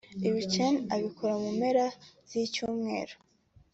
Ibi Chen abikora mu mpera z’icyumweru (weekend)